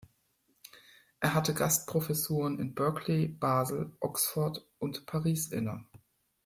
Er hatte Gastprofessuren in Berkeley, Basel, Oxford und Paris inne.